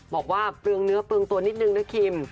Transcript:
เปลืองเนื้อเปลืองตัวนิดนึงนะคิม